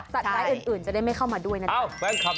ร้ายอื่นจะได้ไม่เข้ามาด้วยนะครับ